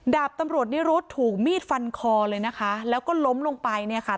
ดาบตำรวจนิรุธถูกมีดฟันคอเลยนะคะแล้วก็ล้มลงไปเนี่ยค่ะ